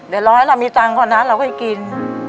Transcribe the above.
เดี๋ยวรอให้รับมีจังคอนด้านนั้นเราก็กิน